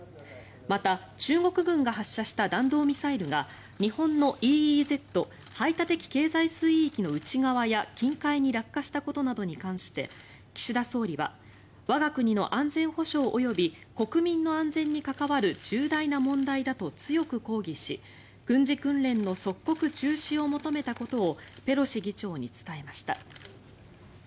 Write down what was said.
また、中国軍が発射した弾道ミサイルが日本のＥＥＺ・排他的経済水域の内側や近海に落下したことに関して岸田総理は我が国の安全保障及び国民の安全に関わる重大な問題だと強く抗議し軍事訓練の即刻中止を求めたことをペロシ議長に伝えました。